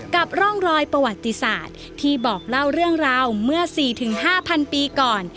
กับร่องรอยประวัติศาสตร์ที่บอกเล่าเรื่องราวเมื่อ๔๕๐๐ปีก่อน